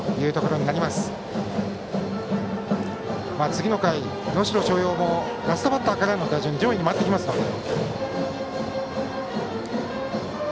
次の回、能代松陽もラストバッターからの打順で上位に回ってきますので。